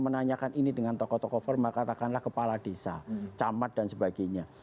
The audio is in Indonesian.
menanyakan ini dengan tokoh tokoh formal katakanlah kepala desa camat dan sebagainya